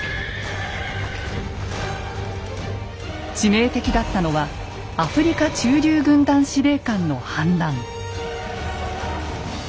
致命的だったのはアフリカ駐留軍団司令官の反乱。